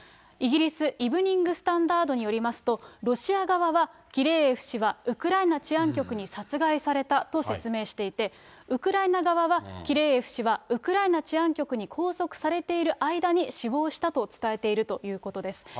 イギリス、イブニング・スタンダードによると、ロシア側は、キレーエフ氏はウクライナ治安局に殺害されたと説明していて、ウクライナ側はキレーエフ氏はウクライナ治安局に拘束されている間に死亡したと伝えているということです。